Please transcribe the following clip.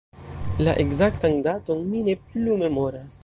La ekzaktan daton mi ne plu memoras.